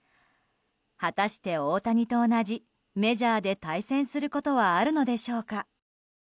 果たして、大谷と同じメジャーで対戦することはあるのでしょうか。